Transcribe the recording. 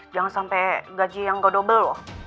jangan sampai gaji yang gak double loh